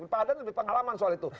pak adan lebih pengalaman soal itu